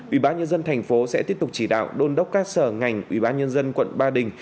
ủy ban nhân dân tp sẽ tiếp tục chỉ đạo đôn đốc các sở ngành ủy ban nhân dân quận ba đình